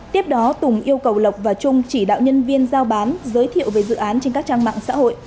tiếp đó tùng yêu cầu lộc và trung chỉ đạo nhân viên giao bán giới thiệu về dự án trên các trang mạng xã hội